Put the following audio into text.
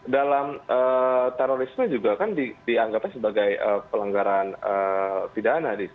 dalam terorisme juga kan dianggapnya sebagai pelanggaran pidana